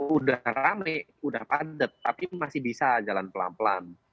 udah rame udah padat tapi masih bisa jalan pelan pelan